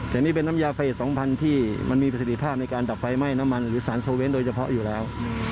แต่นี่เป็นน้ำยาเฟส๒๐๐ที่มันมีประสิทธิภาพในการดับไฟไหม้น้ำมันหรือสารโซเวนต์โดยเฉพาะอยู่แล้ว